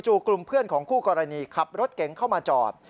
กลุ่มเพื่อนของคู่กรณีขับรถเก๋งเข้ามาจอด